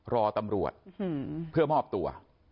รอตำรวจเพื่อมอบตัว